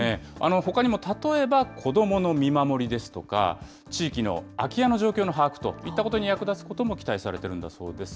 ほかにも例えば、子どもの見守りですとか、地域の空き家の状況の把握といったことに役立つことも期待されてるんだそうです。